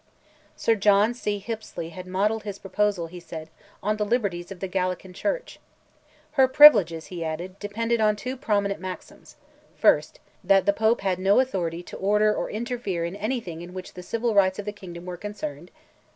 Sir John C. Hippesley had modelled his proposal, he said, on the liberties of the Gallican Church. "Her privileges," he added, "depended on two prominent maxims: 1st. That the Pope had no authority to order or interfere in anything in which the civil rights of the kingdom were concerned.